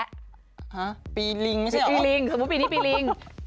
ฮะปีลิงไม่ใช่เหรอปีลิงสมมุติปีนี้ปีลิง